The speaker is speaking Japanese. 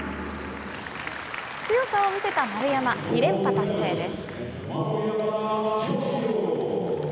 強さを見せた丸山、２連覇達成です。